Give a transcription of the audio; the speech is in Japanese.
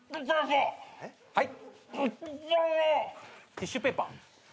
ティッシュペーパー？